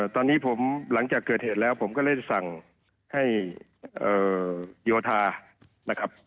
ตอนนี้ผมหลังจากเกิดเหตุแล้วผมก็ได้สั่งให้โยธานะครับ